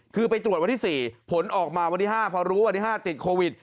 คือไปตรวจวันที่๔ผลออกมาวันที่๕พอรู้วันที่๕ติดโควิด